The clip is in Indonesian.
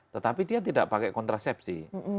tetapi dia tidak pakai kontrasepsi